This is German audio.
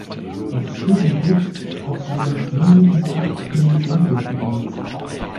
Das Kirchenschiff ist auf einem länglichen achteckigen Grundriss gebaut.